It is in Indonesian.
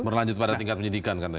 berlanjut pada tingkat penyidikan katanya